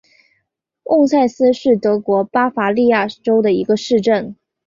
翁塞斯是德国巴伐利亚州的一个市镇。